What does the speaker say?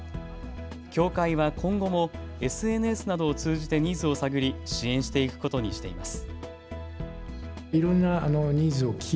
協会は今後もＳＮＳなどを通じてニーズを探り支援していくことにしています。